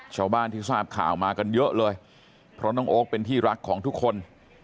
ชาวบ้านที่ทราบข่าวมากันเยอะเลยเพราะน้องโอ๊คเป็นที่รักของทุกคน